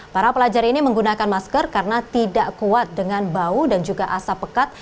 para pelajar ini menggunakan masker karena tidak kuat dengan bau dan juga asap pekat